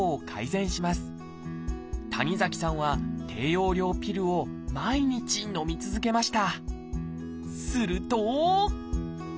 谷崎さんは低用量ピルを毎日のみ続けました。